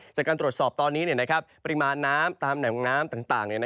จากการตรวจสอบตอนนี้ปริมาณน้ำตามแหล่งน้ำต่าง